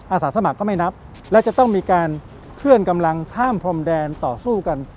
อาสาสมัครก็ไม่นับและจะต้องมีการเคลื่อนกำลังข้ามพรมแดนต่อสู้กัน